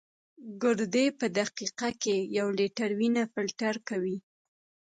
ګردې په دقیقه کې یو لیټر وینه فلټر کوي.